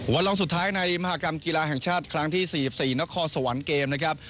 ลองสุดท้ายในมหากรรมกีฬาแห่งชาติครั้งที่๔๔นครสวรรค์เกมนะครับ